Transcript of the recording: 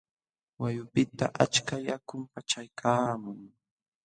Wayqupiqta achka yakum paqchaykaamun.